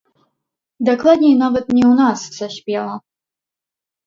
Дакладней, нават не ў нас саспела.